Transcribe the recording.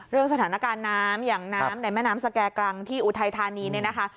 เรื่องสถานการณ์น้ำอย่างน้ำในแม่น้ำสแก่กรังที่อุทัยธานีเนี่ยนะคะ